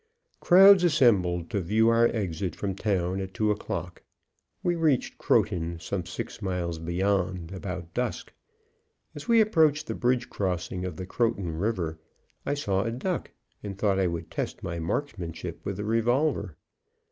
Crowds assembled to view our exit from town at two o'clock. We reached Croton, some six miles beyond, about dusk. As we approached the bridge crossing of the Croton River, I saw a duck and thought I would test my marksmanship with a revolver.